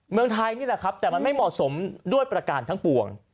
เมืองไทยนี่แหละครับแต่มันไม่เหมาะสมด้วยประการทั้งปวง